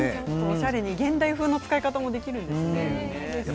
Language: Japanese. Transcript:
おしゃれに現代風の使い方もできるんですね。